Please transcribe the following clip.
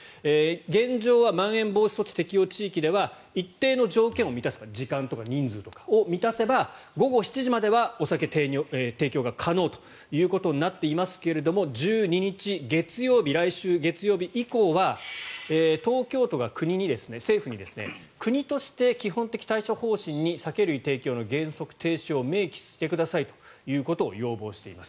現状はまん延防止措置適用地域では一定の条件を満たせば時間とか人数の条件を満たせば午後７時まではお酒の提供が可能ということになっていますが１２日、月曜日以降は東京都が国に政府に国として基本的対処方針に酒類提供の原則停止を明記してくださいと要望しています。